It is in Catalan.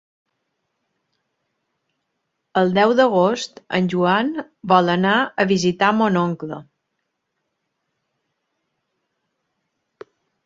El deu d'agost en Joan vol anar a visitar mon oncle.